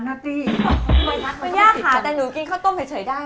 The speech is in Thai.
ไม่งั้นมันยุ่งยากเดี๋ยวต้องให้สองคนไปเตรียม